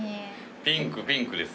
ピンクピンクです。